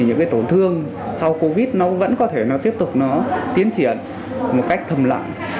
những cái tổn thương sau covid nó vẫn có thể nó tiếp tục nó tiến triển một cách thầm lặng